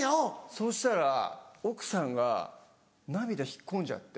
そしたら奥さんが涙引っ込んじゃって。